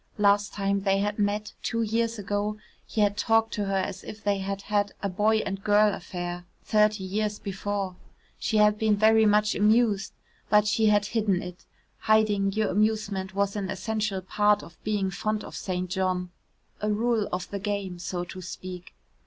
Last time they had met, two years ago, he had talked to her as if they had had a boy and girl affair thirty years before. She had been very much amused but she had hidden it; hiding your amusement was an essential part of being fond of St. John a rule of the game, so to speak.